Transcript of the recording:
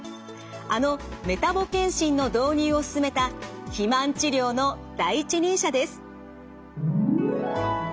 あのメタボ健診の導入を進めた肥満治療の第一人者です。